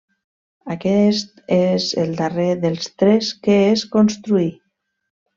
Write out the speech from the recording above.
Aquest és el darrer dels tres que es construí.